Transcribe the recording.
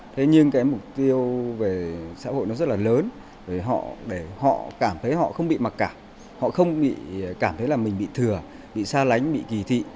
thế nhưng cái mục tiêu về xã hội nó rất là lớn để họ cảm thấy họ không bị mặc cảm họ không cảm thấy là mình bị thừa bị xa lánh bị kỳ thị